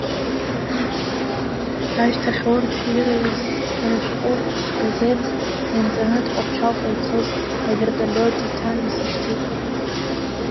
Ашьҭахь урҭ ирҩыз рышәҟәы ҳгазеҭ ианҵаны Тҟәарчалҟа ицоз аверталиот иаҭан исышьҭит.